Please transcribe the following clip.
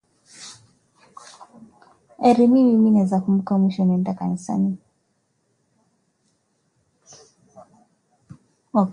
Wakati wa kuvaa buti za baiskeli za ngozi